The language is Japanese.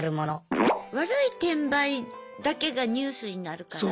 悪い転売だけがニュースになるから。